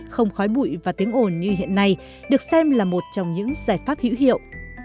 không khói bụi và tiếng ồn như hiện nay được xem là một trong những giải pháp hữu hiệu